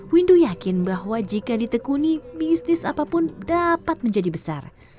windu yakin bahwa jika ditekuni bisnis apapun dapat menjadi besar